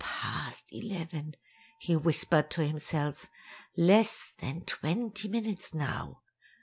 "Past eleven," he whispered to himself. "Less than twenty minutes now."